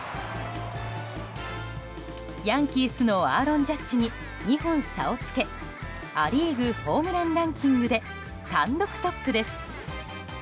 ヤンキースのアーロン・ジャッジに２本差をつけア・リーグホームランランキングで単独トップです。